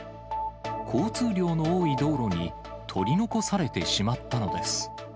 交通量の多い道路に、取り残されてしまったのです。